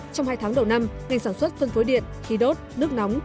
trong hai tháng đầu năm ngành sản xuất phân phối điện khí đốt nước nóng